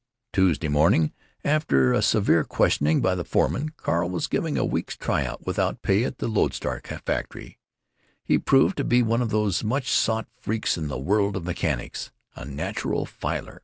Tuesday morning, after a severe questioning by the foreman, Carl was given a week's try out without pay at the Lodestar factory. He proved to be one of those much sought freaks in the world of mechanics, a natural filer.